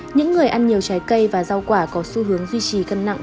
những người ăn nhiều trái cây và rau quả có xu hướng nguy cơ